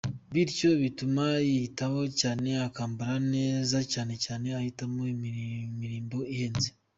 Bityo bituma yiyitaho cyane akambara neza cyane cyane ahitamo imirimbo ihenze.